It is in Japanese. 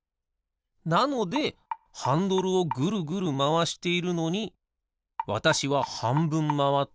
なのでハンドルをぐるぐるまわしているのにわたしははんぶんまわってちょっとやすむ。